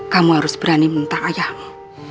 kamu harus berani mentang ayahmu